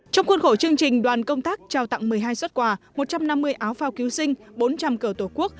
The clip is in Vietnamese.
trong khuôn khổ chương trình đoàn công tác trao tặng một mươi hai xuất quà một trăm năm mươi áo phao cứu sinh bốn trăm linh cờ tổ quốc